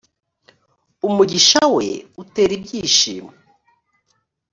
umugishawe utera ibyishimo.